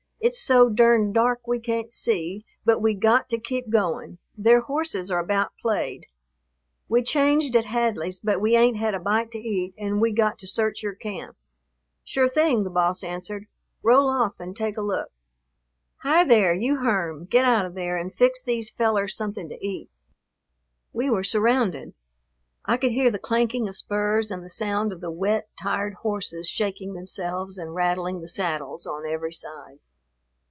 It's so durned dark we can't see, but we got to keep going; their horses are about played. We changed at Hadley's, but we ain't had a bite to eat and we got to search your camp." "Sure thing," the boss answered, "roll off and take a look. Hi, there, you Herm, get out of there and fix these fellers something to eat." We were surrounded. I could hear the clanking of spurs and the sound of the wet, tired horses shaking themselves and rattling the saddles on every side.